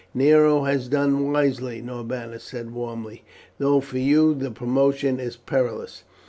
"Nero has done wisely," Norbanus said warmly, "though for you the promotion is perilous.